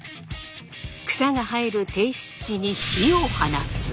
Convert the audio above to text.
草が生える低湿地に火を放つ。